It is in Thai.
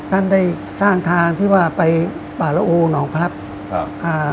ท่านได้สร้างทางที่ว่าไปบาลอูหนองพระพรัพธิ์